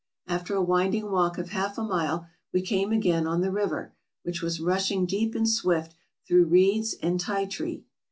After a winding walk of half a mile, we came again on the river, which was rushing deep and swift through reeds and Ti tree.